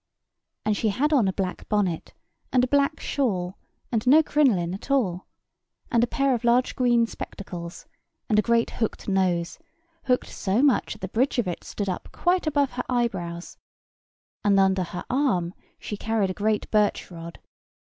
And she had on a black bonnet, and a black shawl, and no crinoline at all; and a pair of large green spectacles, and a great hooked nose, hooked so much that the bridge of it stood quite up above her eyebrows; and under her arm she carried a great birch rod.